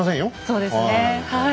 そうですねはい。